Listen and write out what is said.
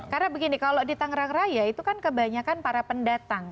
karena begini kalau di tangerang raya itu kan kebanyakan para pendatang